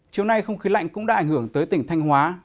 chiều nay không khí lạnh cũng đã ảnh hưởng tới tỉnh thanh hóa